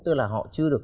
tức là họ chưa được